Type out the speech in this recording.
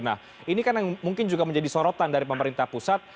nah ini kan yang mungkin juga menjadi sorotan dari pemerintah pusat